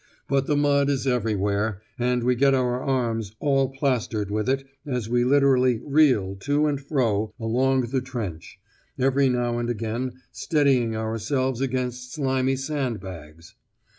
But the mud is everywhere, and we get our arms all plastered with it as we literally "reel to and fro" along the trench, every now and again steadying ourselves against slimy sand bags.